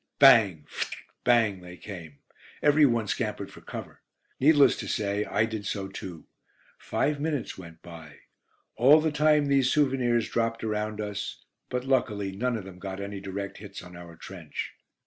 "Phut bang," "phut bang," they came. Every one scampered for cover. Needless to say, I did so too. Five minutes went by. All the time these souvenirs dropped around us, but luckily none of them got any direct hits on our trench.